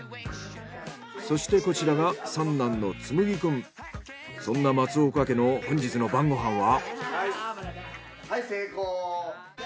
そしてこちらがそんな松岡家の本日の晩ご飯は。